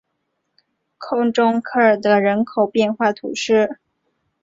空中科尔德人口变化图示